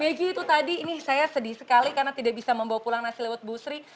begi itu tadi ini saya sedih sekali karena tidak bisa membawa pulang nasi lewat busri